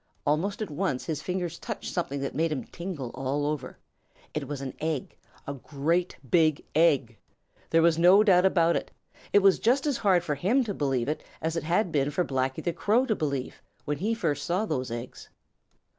Almost at once his fingers touched something that made him tingle all over. It was an egg, a great big egg! There was no doubt about it. It was just as hard for him to believe as it had been for Blacky the Crow to believe, when he first saw those eggs.